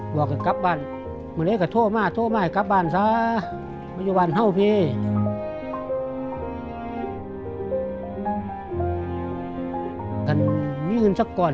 เท่ากว่าจะได้มีเวลาไปทำมาหากิน